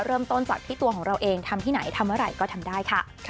เริ่มต้นจากที่ตัวของเราเองทำที่ไหนทำเมื่อไหร่ก็ทำได้ค่ะ